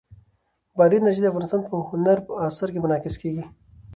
بادي انرژي د افغانستان په هنر په اثار کې منعکس کېږي.